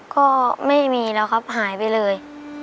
ก็ไม่มีแล้วครับหายไปเลย